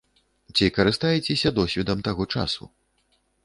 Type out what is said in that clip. Ці карыстаецеся досведам таго часу.